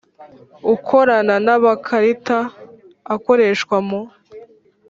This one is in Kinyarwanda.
Ukorana n amakarita akoreshwa mu